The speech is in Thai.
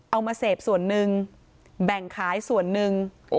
เอามาเสพส่วนหนึ่งแบ่งขายส่วนหนึ่ง